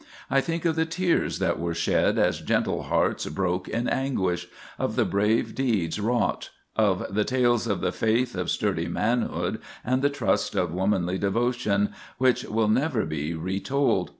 I think of the tears that were shed as gentle hearts broke in anguish; of the brave deeds wrought; of the tales of the faith of sturdy manhood and the trust of womanly devotion, which will never be retold.